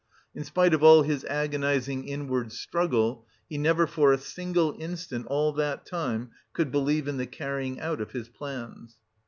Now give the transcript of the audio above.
In spite of all his agonising inward struggle, he never for a single instant all that time could believe in the carrying out of his plans.